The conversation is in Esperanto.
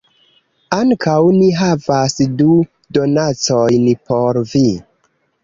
Ankaŭ ni havas du donacojn por vi